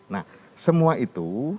nah semua itu